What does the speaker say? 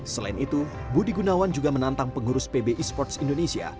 selain itu budi gunawan juga menantang pengurus pb e sports indonesia